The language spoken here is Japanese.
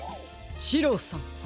シローさん。